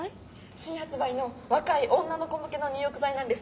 新発売の若い女の子向けの入浴剤なんです。